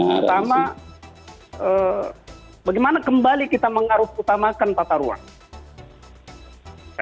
pertama bagaimana kembali kita mengurus utamakan tatar ruang